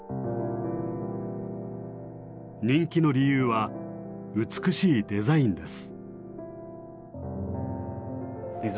人気の理由は美しいデザインです。